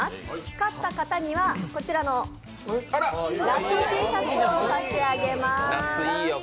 勝った方にはこちらのラッピーＴシャツを差し上げます。